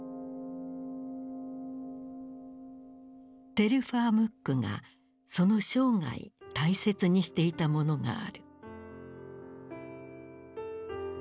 テルファー・ムックがその生涯大切にしていたものがある。